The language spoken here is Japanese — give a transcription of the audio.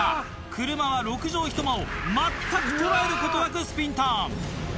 車は６畳１間を全く捉えることなくスピンターン。